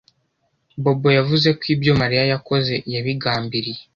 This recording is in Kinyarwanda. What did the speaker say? Bobo yavuze ko ibyo Mariya yakoze yabigambiriye